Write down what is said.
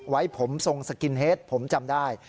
ไว้ผมทรงสกินเฮดผมจำได้